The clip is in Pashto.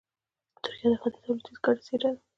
ترکیه د ختیځ او لویدیځ ګډه څېره ده.